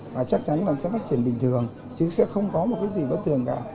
và chắc chắn là sẽ phát triển bình thường chứ sẽ không có một cái gì bất thường cả